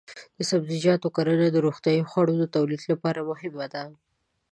د سبزیجاتو کرنه د روغتیايي خوړو د تولید لپاره مهمه ده.